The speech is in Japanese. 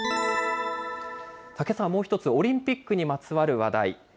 けさはもう一つ、オリンピックにまつわる話題。